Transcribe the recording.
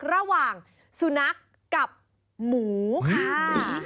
ระหว่างสุนัขกับหมูค่ะ